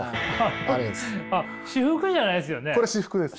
あっ私服じゃないですよね？